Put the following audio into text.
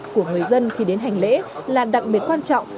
của người dân khi đến hành lễ là đặc biệt quan trọng